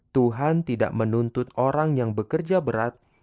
tuhan tidak menuntut orang yang bekerja berat